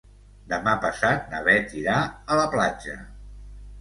Demà passat na Beth irà a la platja.